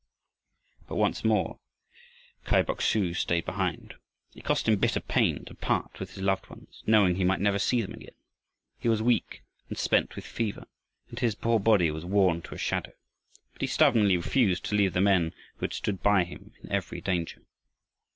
But once more Kai Bok su stayed behind. It cost him bitter pain to part with his loved ones, knowing he might never see them again; he was weak and spent with fever, and his poor body was worn to a shadow, but he stubbornly refused to leave the men who had stood by him in every danger.